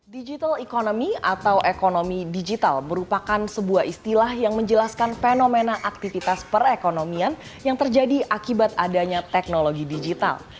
digital economy atau ekonomi digital merupakan sebuah istilah yang menjelaskan fenomena aktivitas perekonomian yang terjadi akibat adanya teknologi digital